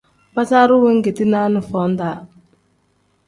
Basaru wengeti naani foo-daa.